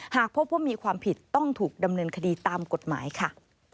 หากพบว่ามีความผิดต้องถูกดำเนินคดีตามกฎหมายค่ะ